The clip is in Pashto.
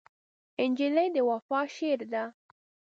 نجلۍ د وفا شعر ده.